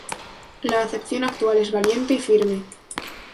La acepción actual es "valiente y firme".